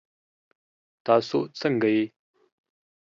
تاسو څنګه یئ؟